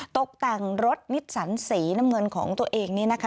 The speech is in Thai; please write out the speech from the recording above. ตกแต่งรถนิสสันสีน้ำเงินของตัวเอง